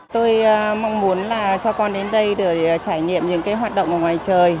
tôi mong muốn cho con đến đây để trải nghiệm những hoạt động ngoài trời